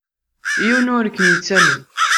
Yiwen ur kem-yettamen.